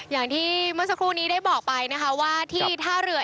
อย่างที่เมื่อสักครู่นี้ได้บอกไปนะคะว่าที่ท่าเรือ